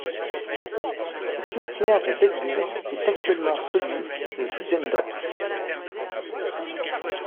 Le cimetière de Betbur est actuellement celui de Zutzendorf.